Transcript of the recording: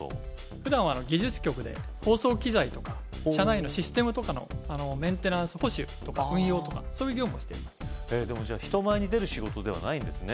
ふだんは技術局で放送機材とか社内のシステムとかのメンテナンス補修とか運用とかそういう業務をしていますじゃあ人前に出る仕事ではないんですね